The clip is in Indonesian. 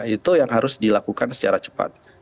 itu yang harus dilakukan secara cepat